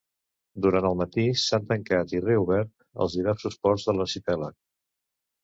Durant el matí s’han tancat i reobert els diversos ports de l’arxipèlag.